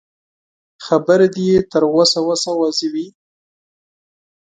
خبرې دې يې تر وسه وسه واضح وي.